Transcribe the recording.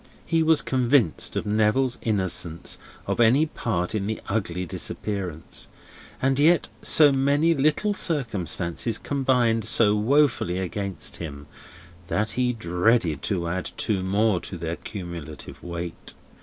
He was convinced of Neville's innocence of any part in the ugly disappearance; and yet so many little circumstances combined so wofully against him, that he dreaded to add two more to their cumulative weight.